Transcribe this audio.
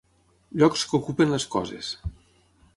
Llocs que ocupen les coses.